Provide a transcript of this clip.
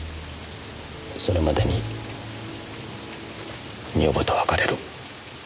それまでに女房と別れる。